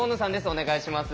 お願いします。